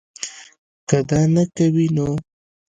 کۀ دا نۀ کوي نو